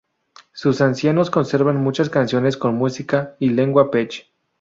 Sus ancianos conservan muchas canciones con música y lengua pech.